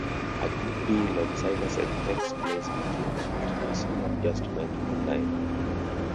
A good deal of cybersex takes place between partners who have just met online.